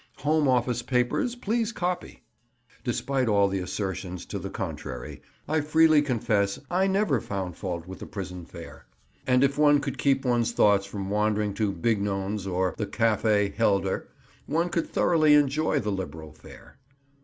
Home Office papers, please copy! Despite all the assertions to the contrary, I freely confess I never found fault with the prison fare; and if one could keep one's thoughts from wandering to "Bignon's" or the "Café Helder," one could thoroughly enjoy the liberal fare.